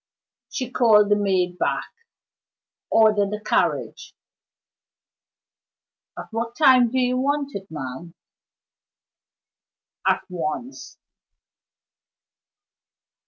She called the maid back. "Order the carriage." "At what time do you want it, ma'am?" "At once!"